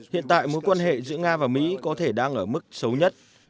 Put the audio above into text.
hiện tại mối quan hệ giữa nga và mỹ có thể đang ở mức xấu nhất